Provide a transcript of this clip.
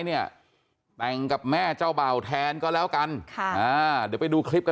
เนี่ยแต่งกับแม่เจ้าเบ่าแทนก็แล้วกันค่ะอ่าเดี๋ยวไปดูคลิปกัน